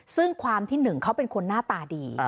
ซึ่งความที่หนึ่งเขาเป็นคนหน้าตาดี